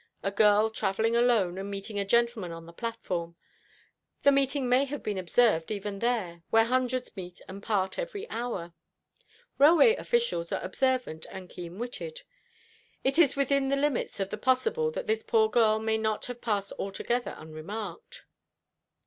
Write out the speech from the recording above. A girl travelling alone, and meeting a gentleman on the platform. The meeting may have been observed even there, where hundreds meet and part every hour. Railway officials are observant and keen witted. It is within the limits of the possible that this poor girl may not have passed altogether unremarked."